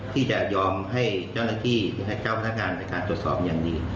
ที่จะยอมให้เจ้าหน้าที่และเจ้าพนักงานในการตรวจสอบอย่างดี